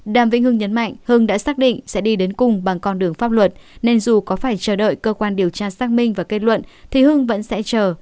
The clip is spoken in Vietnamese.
đàm vĩnh hưng nhấn mạnh hưng đã xác định sẽ đi đến cùng bằng con đường pháp luật nên dù có phải chờ đợi cơ quan điều tra xác minh và kết luận thì hưng vẫn sẽ chờ